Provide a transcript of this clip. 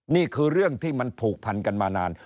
นี่คือเรื่องที่มันผูกพันกันมานาน